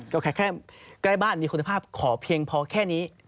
ก็แค่ใกล้บ้านมีคุณภาพขอเพียงพอแค่นี้